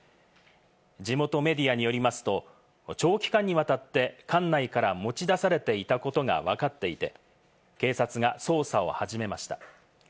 地元メディアによりますと、長期間にわたって館内から持ち出されていたことがわかっていて、警察が捜査を始めました。